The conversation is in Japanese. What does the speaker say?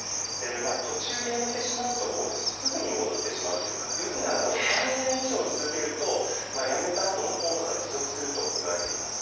途中でやめてしまうとすぐに戻ってしまうというか要するに３年以上続けるとやめたあとも効果が持続するといわれています。